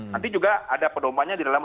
nanti juga ada pedomannya di dalam